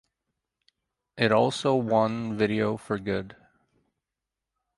It also won Video for Good.